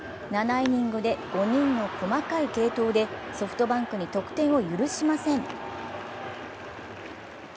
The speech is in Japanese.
７イニングで５人の細かい継投でソフトバンクに得点を許しません。